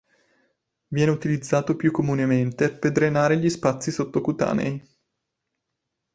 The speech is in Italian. Viene utilizzato più comunemente per drenare gli spazi sottocutanei.